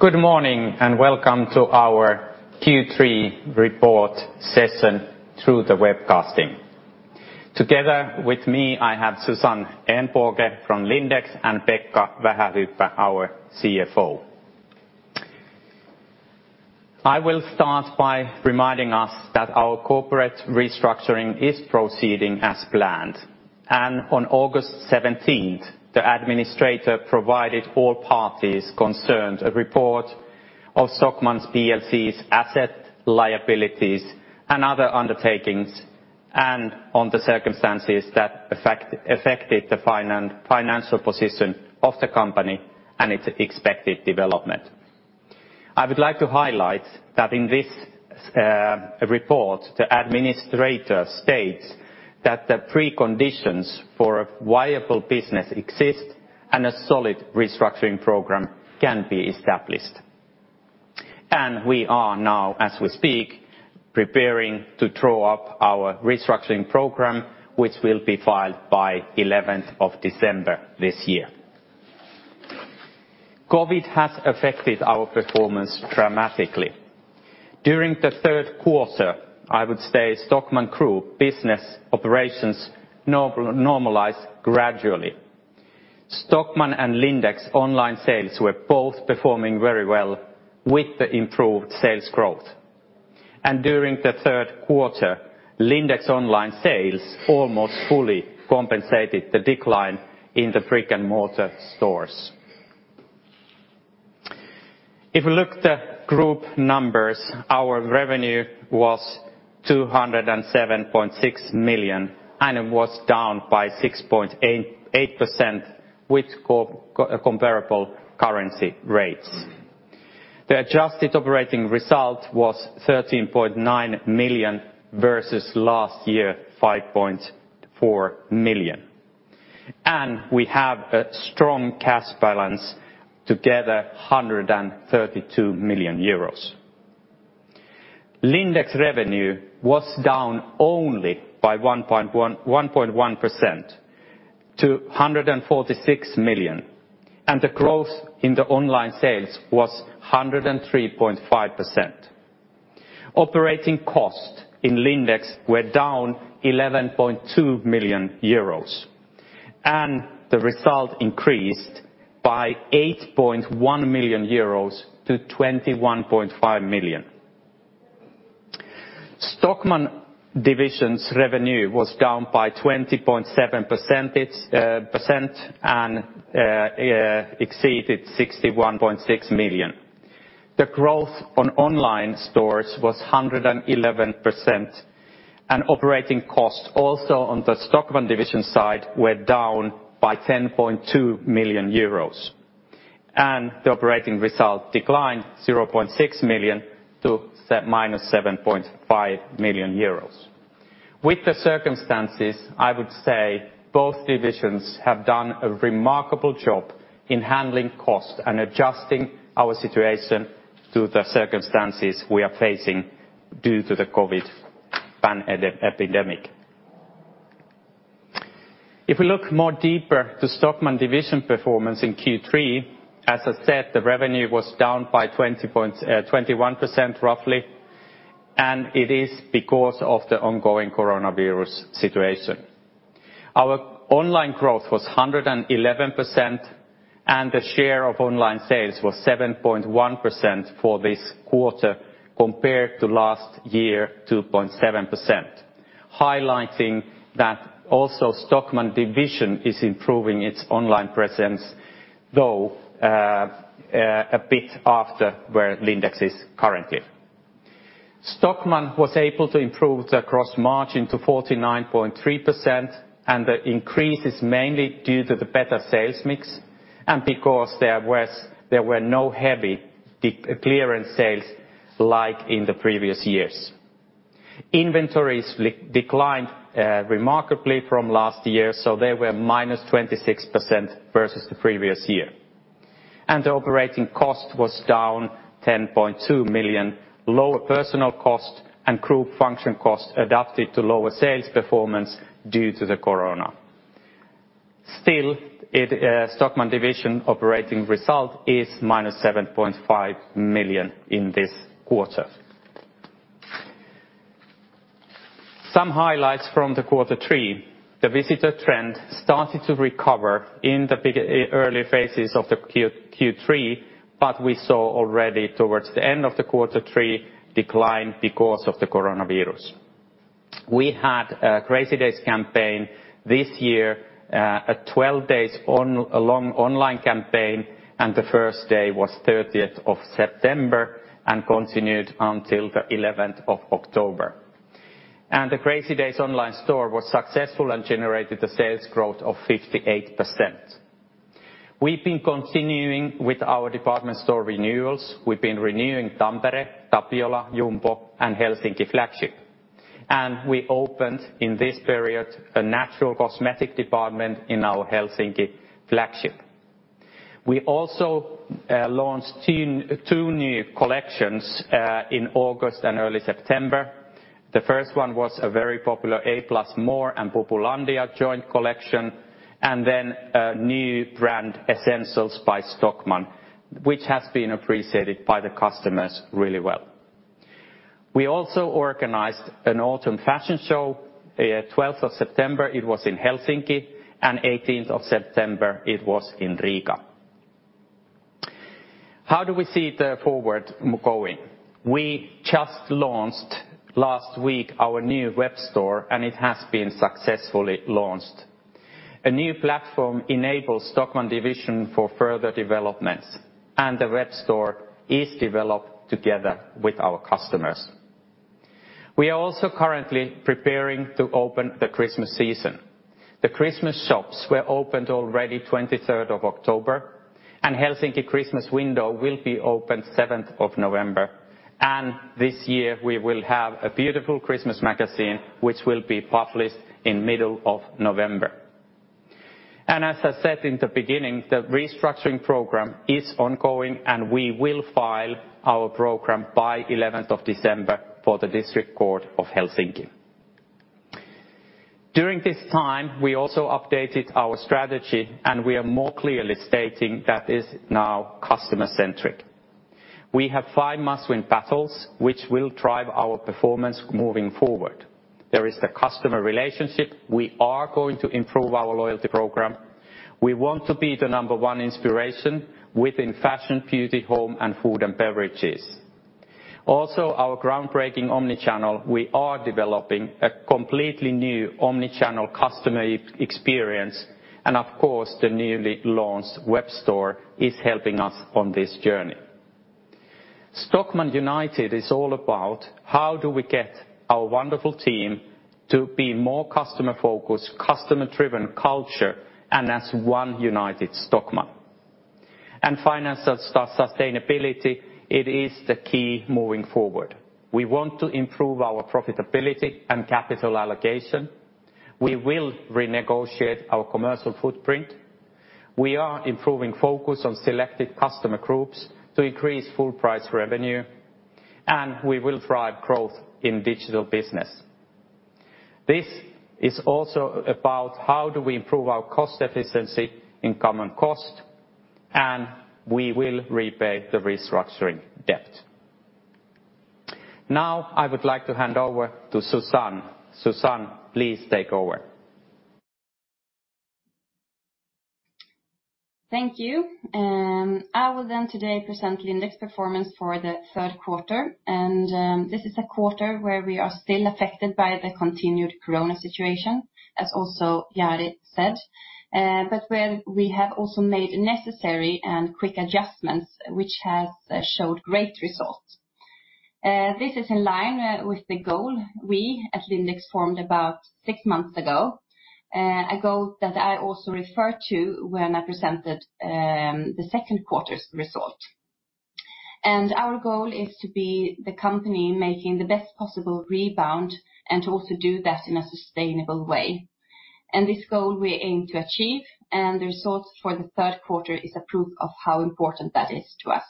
Good morning, welcome to our Q3 report session through the webcasting. Together with me, I have Susanne Ehnbåge from Lindex, and Pekka Vähähyyppä, our CFO. I will start by reminding us that our corporate restructuring is proceeding as planned. On August 17th, the administrator provided all parties concerned a report of Stockmann plc's asset, liabilities, and other undertakings, and on the circumstances that affected the financial position of the company and its expected development. I would like to highlight that in this report, the administrator states that the preconditions for a viable business exist and a solid restructuring program can be established. We are now, as we speak, preparing to draw up our restructuring program, which will be filed by 11th of December this year. COVID has affected our performance dramatically. During the third quarter, I would say Stockmann Group business operations normalized gradually. Stockmann and Lindex online sales were both performing very well with the improved sales growth. During the third quarter, Lindex online sales almost fully compensated the decline in the brick-and-mortar stores. If we look the group numbers, our revenue was 207.6 million, and it was down by 6.88% with comparable currency rates. The adjusted operating result was 13.9 million versus last year, 5.4 million. We have a strong cash balance together, 132 million euros. Lindex revenue was down only by 1.1% to 146 million, the growth in the online sales was 103.5%. Operating costs in Lindex were down 11.2 million euros, the result increased by 8.1 million euros to 21.5 million. Stockmann Division's revenue was down by 20.7 percentage percent and exceeded 61.6 million. The growth on online stores was 111%, and operating costs also on the Stockmann Division side were down by 10.2 million euros. The operating result declined 0.6 million to minus 7.5 million euros. With the circumstances, I would say both divisions have done a remarkable job in handling costs and adjusting our situation to the circumstances we are facing due to the COVID epidemic. If we look more deeper to Stockmann Division performance in Q3, as I said, the revenue was down by 20.21% roughly, and it is because of the ongoing coronavirus situation. Our online growth was 111%, the share of online sales was 7.1% for this quarter compared to last year, 2.7%, highlighting that also Stockmann Division is improving its online presence, though, a bit after where Lindex is currently. Stockmann was able to improve the gross margin to 49.3%, the increase is mainly due to the better sales mix and because there were no heavy de-clearance sales like in the previous years. Inventories declined remarkably from last year, so they were -26% versus the previous year. The operating cost was down 10.2 million, lower personal cost and group function cost adapted to lower sales performance due to the corona. Still, it, Stockmann Division operating result is -7.5 million in this quarter. Some highlights from the Q3. The visitor trend started to recover in the early phases of the Q3, but we saw already towards the end of the Q3 decline because of the coronavirus. We had a Crazy Days campaign this year, a 12-day long online campaign. The first day was 30th of September and continued until the 11th of October. The Crazy Days online store was successful and generated a sales growth of 58%. We've been continuing with our department store renewals. We've been renewing Tampere, Tapiola, Jumbo, and Helsinki flagship. We opened, in this period, a natural cosmetic department in our Helsinki flagship. We also launched two new collections in August and early September. The first one was a very popular A+more and Populandia joint collection, and then a new brand, Essentials by Stockmann, which has been appreciated by the customers really well. We also organized an autumn fashion show, 12th of September, it was in Helsinki, and 18th of September it was in Riga. How do we see the forward going? We just launched last week our new web store, and it has been successfully launched. A new platform enables Stockmann Division for further developments, and the web store is developed together with our customers. We are also currently preparing to open the Christmas season. The Christmas shops were opened already 3rd of October, and Helsinki Christmas window will be opened 7th of November. This year, we will have a beautiful Christmas magazine, which will be published in middle of November. As I said in the beginning, the restructuring program is ongoing, and we will file our program by 11th of December for the District Court of Helsinki. During this time, we also updated our strategy, and we are more clearly stating that it's now customer-centric. We have five must-win battles which will drive our performance moving forward. There is the customer relationship. We are going to improve our loyalty program. We want to be the number one inspiration within fashion, beauty, home, and food and beverages. Our groundbreaking omni-channel, we are developing a completely new omni-channel customer experience, and of course, the newly launched web store is helping us on this journey. Stockmann United is all about how do we get our wonderful team to be more customer-focused, customer-driven culture, and as one United Stockmann. Financial sustainability, it is the key moving forward. We want to improve our profitability and capital allocation. We will renegotiate our commercial footprint. We are improving focus on selected customer groups to increase full price revenue, and we will drive growth in digital business. This is also about how do we improve our cost efficiency in common cost, and we will repay the restructuring debt. I would like to hand over to Susanne. Susanne, please take over. Thank you. I will today present Lindex performance for the third quarter, and this is a quarter where we are still affected by the continued Corona situation, as also Jari said, but where we have also made necessary and quick adjustments which has showed great results. This is in line with the goal we at Lindex formed about six months ago, a goal that I also referred to when I presented the second quarter's result. Our goal is to be the company making the best possible rebound and to also do that in a sustainable way. This goal we aim to achieve, and the results for the third quarter is a proof of how important that is to us.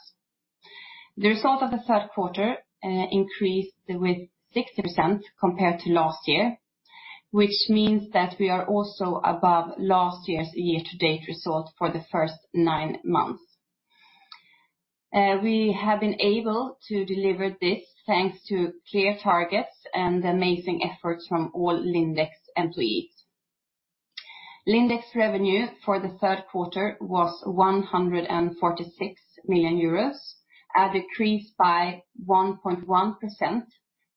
The result of the third quarter increased with 6% compared to last year, which means that we are also above last year's year-to-date result for the first nine months. We have been able to deliver this thanks to clear targets and amazing efforts from all Lindex employees. Lindex revenue for the third quarter was 146 million euros, a decrease by 1.1%,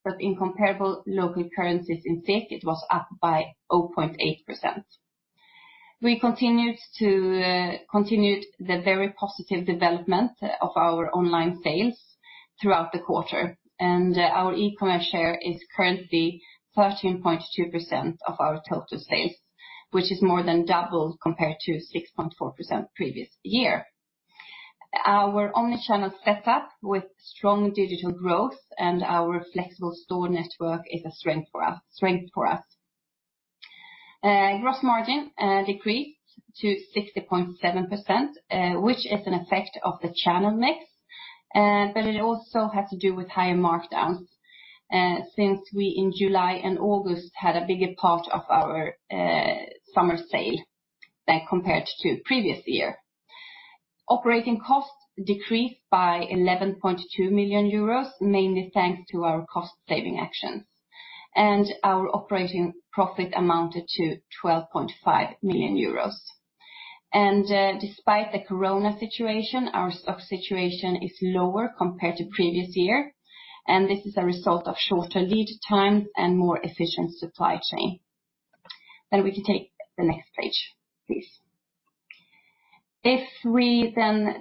but in comparable local currencies in Finland, it was up by 0.8%. We continued to continued the very positive development of our online sales throughout the quarter, and our e-commerce share is currently 13.2% of our total sales, which is more than double compared to 6.4% previous year. Our omni-channel set up with strong digital growth and our flexible store network is a strength for us. Gross margin decreased to 60.7%, which is an effect of the channel mix. It also has to do with higher markdowns, since we in July and August had a bigger part of our summer sale than compared to previous year. Operating costs decreased by 11.2 million euros, mainly thanks to our cost saving actions. Our operating profit amounted to 12.5 million euros. Despite the Corona situation, our stock situation is lower compared to previous year, and this is a result of shorter lead time and more efficient supply chain. We can take the next page, please. If we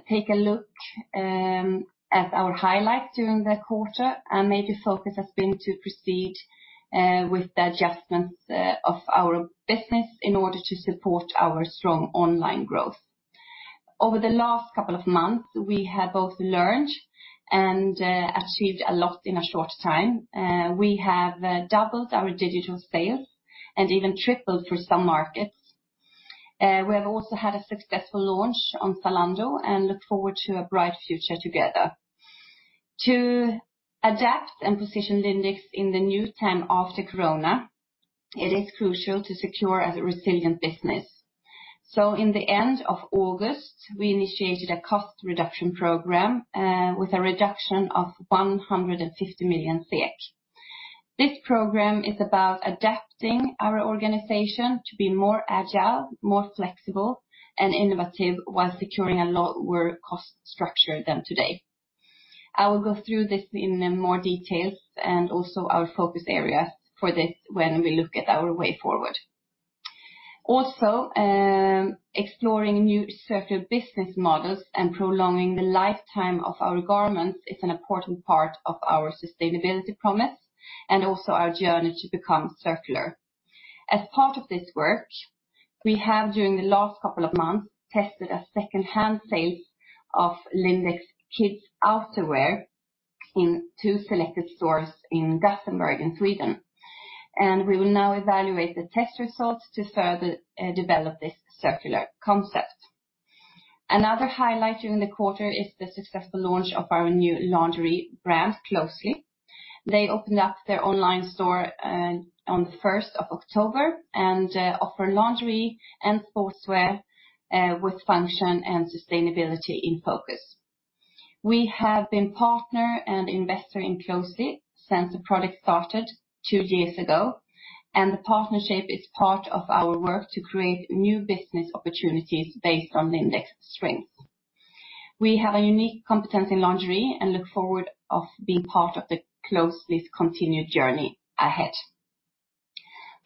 take a look at our highlights during the quarter, our major focus has been to proceed with the adjustments of our business in order to support our strong online growth. Over the last couple of months, we have both learned and achieved a lot in a short time. We have doubled our digital sales and even tripled for some markets. We have also had a successful launch on Zalando and look forward to a bright future together. To adapt and position Lindex in the new term after corona, it is crucial to secure as a resilient business. In the end of August, we initiated a cost reduction program with a reduction of 150 million SEK. This program is about adapting our organization to be more agile, more flexible, and innovative while securing a lower cost structure than today. I will go through this in more details and also our focus area for this when we look at our way forward. Also, exploring new circular business models and prolonging the lifetime of our garments is an important part of our sustainability promise and also our journey to become circular. As part of this work, we have during the last couple of months tested a second-hand sales of Lindex kids' outerwear in two selected stores in Gothenburg in Sweden. We will now evaluate the test results to further develop this circular concept. Another highlight during the quarter is the successful launch of our new lingerie brand, Closely. They opened up their online store on the 1st of October and offer lingerie and sportswear with function and sustainability in focus. We have been partner and investor in Closely since the product started two years ago, and the partnership is part of our work to create new business opportunities based on Lindex strength. We have a unique competence in lingerie and look forward of being part of the Closely's continued journey ahead.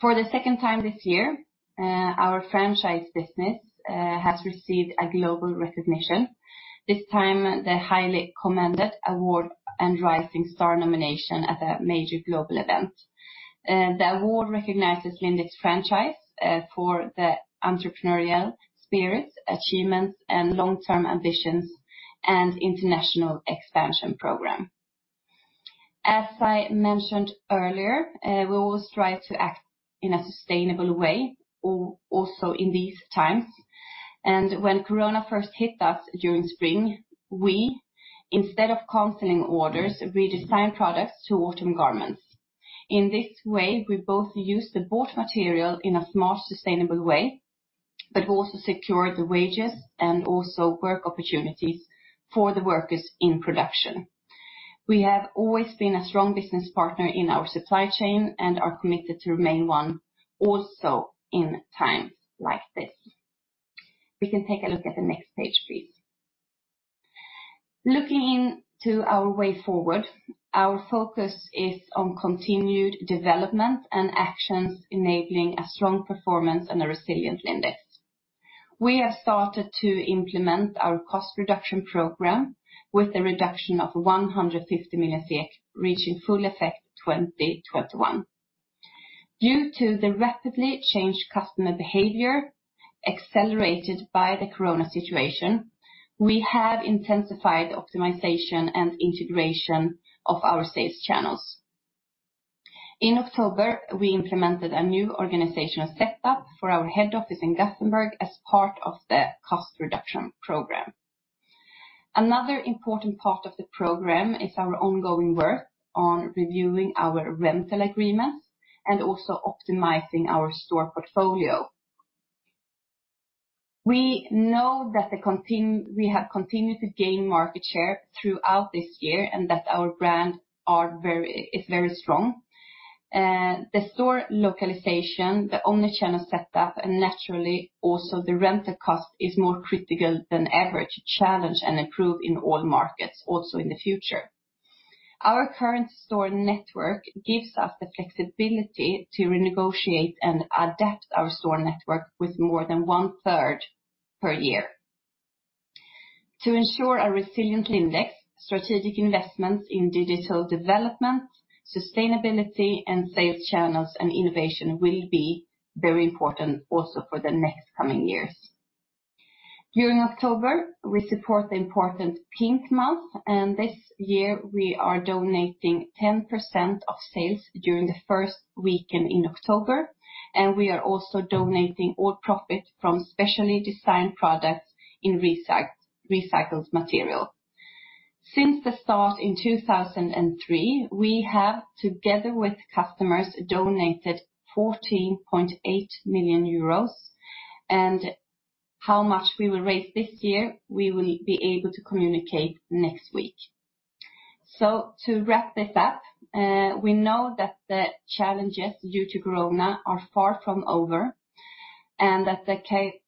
For the second time this year, our franchise business has received a global recognition, this time the highly commended award and rising star nomination at a major global event. The award recognizes Lindex franchise for the entrepreneurial spirit, achievements, and long-term ambitions and international expansion program. As I mentioned earlier, we will strive to act in a sustainable way, also in these times. When corona first hit us during spring, we, instead of canceling orders, we designed products to autumn garments. In this way, we both used the bought material in a smart, sustainable way, but also secured the wages and also work opportunities for the workers in production. We have always been a strong business partner in our supply chain and are committed to remain one also in times like this. We can take a look at the next page, please. Looking into our way forward, our focus is on continued development and actions enabling a strong performance and a resilient Lindex. We have started to implement our cost reduction program with a reduction of 150 million, reaching full effect in 2021. Due to the rapidly changed customer behavior accelerated by the corona situation, we have intensified optimization and integration of our sales channels. In October, we implemented a new organizational setup for our head office in Gothenburg as part of the cost reduction program. Another important part of the program is our ongoing work on reviewing our rental agreements and also optimizing our store portfolio. We know that we have continued to gain market share throughout this year and that our brand is very strong. The store localization, the omni-channel setup, and naturally also the rental cost is more critical than ever to challenge and improve in all markets, also in the future. Our current store network gives us the flexibility to renegotiate and adapt our store network with more than 1/3 per year. To ensure a resilient Lindex, strategic investments in digital development, sustainability, and sales channels and innovation will be very important also for the next coming years. During October, we support the important Pink Month, and this year we are donating 10% of sales during the first weekend in October, and we are also donating all profit from specially designed products in recycled material. Since the start in 2003, we have, together with customers, donated 14.8 million euros. How much we will raise this year, we will be able to communicate next week. To wrap this up, we know that the challenges due to corona are far from over, and that the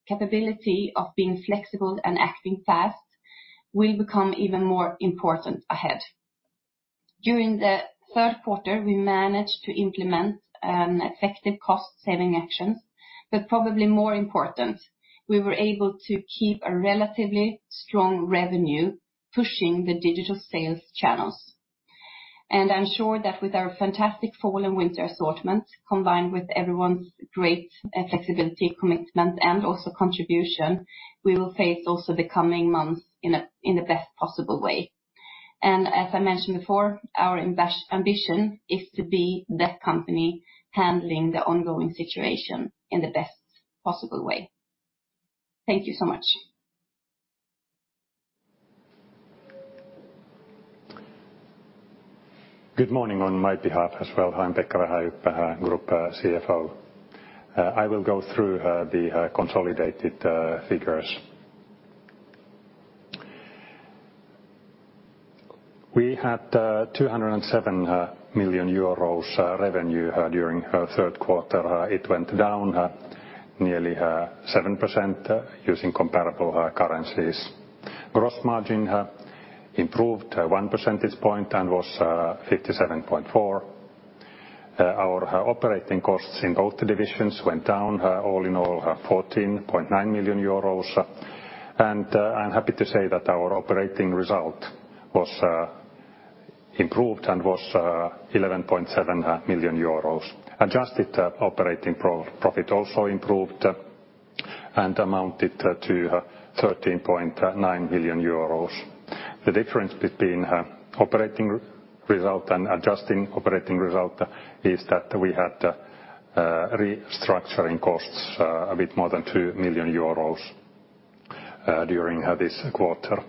capability of being flexible and acting fast will become even more important ahead. During the third quarter, we managed to implement effective cost saving actions, but probably more important, we were able to keep a relatively strong revenue pushing the digital sales channels. I'm sure that with our fantastic fall and winter assortment, combined with everyone's great flexibility, commitment, and also contribution, we will face also the coming months in the best possible way. As I mentioned before, our ambition is to be that company handling the ongoing situation in the best possible way. Thank you so much. Good morning on my behalf as well. I'm Pekka Vähähyyppä, Group CFO. I will go through the consolidated figures. We had 207 million euros revenue during third quarter. It went down nearly 7% using comparable currencies. Gross margin improved one percentage point and was 57.4%. Our operating costs in both divisions went down all in all 14.9 million euros. I'm happy to say that our operating result was improved and was 11.7 million euros. Adjusted operating profit also improved and amounted to 13.9 million euros. The difference between operating result and adjusting operating result is that we had restructuring costs a bit more than 2 million euros during this quarter.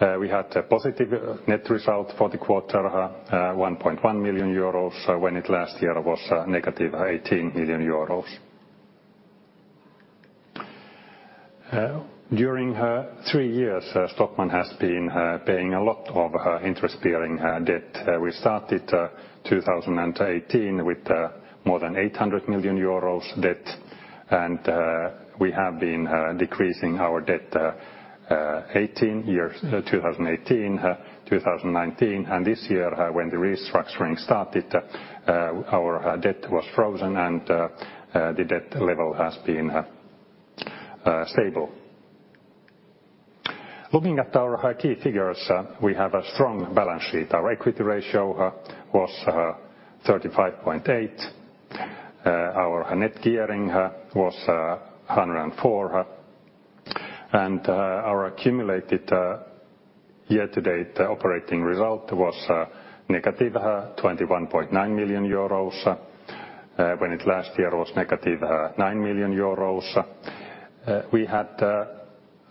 We had a positive net result for the quarter, 1.1 million euros, when it last year was negative 18 million euros. During three years, Stockmann has been paying a lot of interest-bearing debt. We started 2018 with more than 800 million euros debt. We have been decreasing our debt 2018, 2019. This year, when the restructuring started, our debt was frozen and the debt level has been stable. Looking at our high key figures, we have a strong balance sheet. Our equity ratio was 35.8%. Our net gearing was 104%. Our accumulated year-to-date operating result was negative 21.9 million euros, when it last year was negative 9 million euros. We had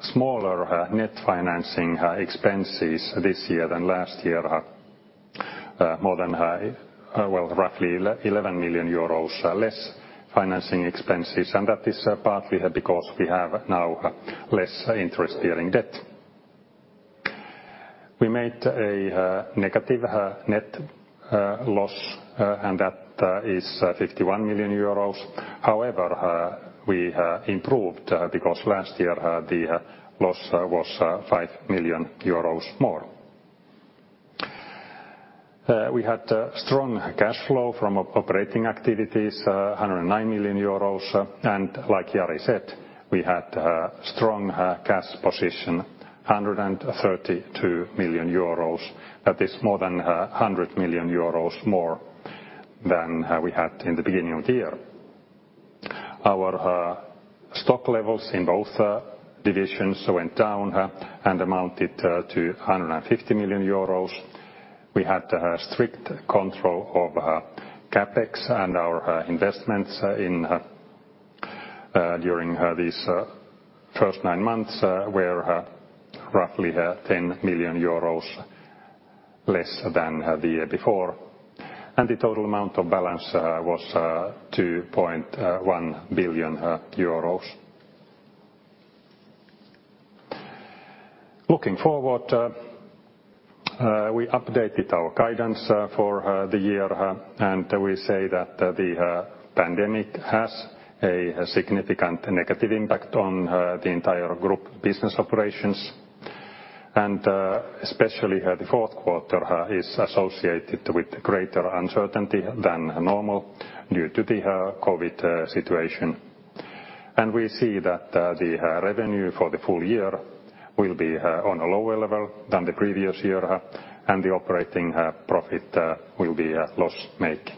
smaller net financing expenses this year than last year. More than, well, roughly 11 million euros less financing expenses. That is partly because we have now less interest during debt. We made a negative net loss, and that is 51 million euros. However, we improved because last year the loss was 5 million euros more. We had strong cash flow from operating activities, 109 million euros. Like Jari said, we had strong cash position, 132 million euros. That is more than 100 million euros more than we had in the beginning of the year. Our stock levels in both divisions went down and amounted to 150 million euros. We had strict control of CapEx and our investments in during these first nine months were roughly 10 million euros less than the year before. The total amount of balance was 2.1 billion euros. Looking forward, we updated our guidance for the year. We say that the pandemic has a significant negative impact on the entire group business operations. Especially, the fourth quarter is associated with greater uncertainty than normal due to the COVID situation. We see that the revenue for the full year will be on a lower level than the previous year, and the operating profit will be loss making.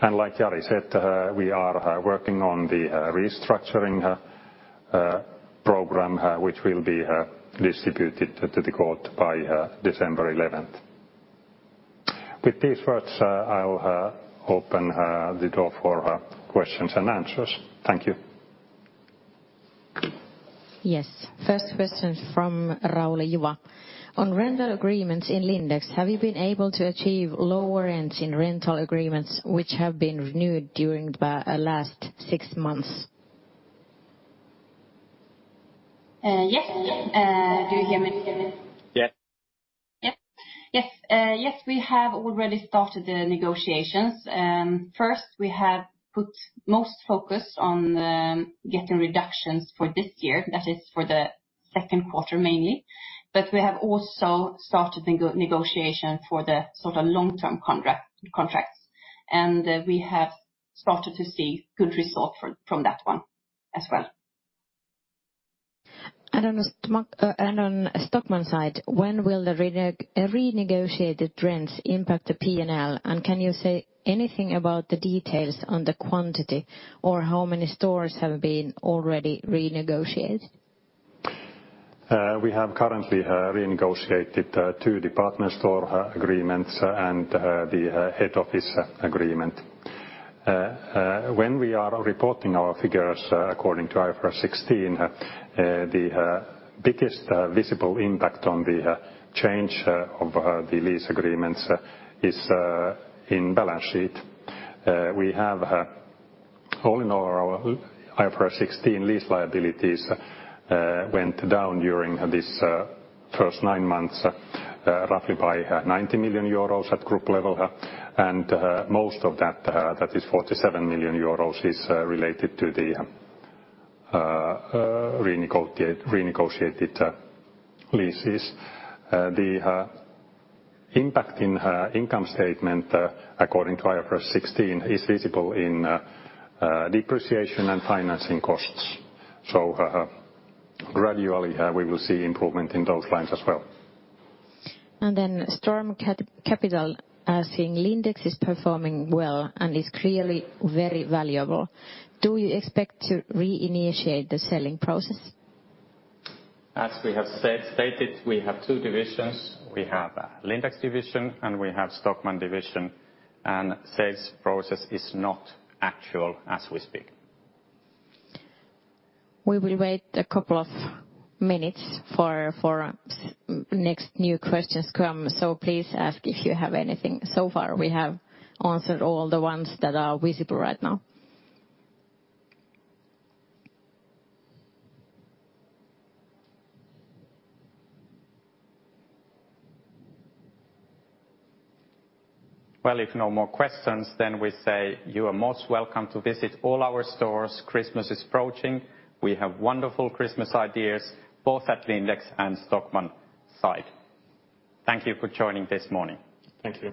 Like Jari said, we are working on the restructuring program, which will be distributed to the court by December 11th. With these words, I'll open the door for questions and answers. Thank you. Yes. First question from Raul Juva. On rental agreements in Lindex, have you been able to achieve lower rents in rental agreements which have been renewed during the last six months? Yes. Do you hear me? Yes. Yep. Yes. Yes, we have already started the negotiations. First, we have put most focus on getting reductions for this year. That is for the second quarter mainly. We have also started negotiation for the sort of long-term contracts. We have started to see good result from that one as well. On Stockmann side, when will the renegotiated rents impact the P&L? Can you say anything about the details on the quantity, or how many stores have been already renegotiated? We have currently renegotiated two department store agreements and the head office agreement. When we are reporting our figures according to IFRS 16, the biggest visible impact on the change of the lease agreements is in balance sheet. We have all in all our IFRS 16 lease liabilities went down during this first nine months roughly by 90 million euros at group level. Most of that is 47 million euros, is related to the renegotiated leases. The impact in income statement according to IFRS 16 is visible in depreciation and financing costs. Gradually, we will see improvement in those lines as well. Then Storm Capital, seeing Lindex is performing well and is clearly very valuable. Do you expect to reinitiate the selling process? As we have stated, we have two divisions. We have Lindex Division, and we have Stockmann Division. Sales process is not actual as we speak. We will wait a couple of minutes for next new questions come. Please ask if you have anything. So far, we have answered all the ones that are visible right now. Well, if no more questions, we say you are most welcome to visit all our stores. Christmas is approaching. We have wonderful Christmas ideas, both at Lindex and Stockmann side. Thank you for joining this morning. Thank you.